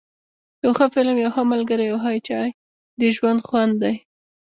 یو ښه فلم، یو ښه ملګری او یو چای ، د ژوند خوند دی.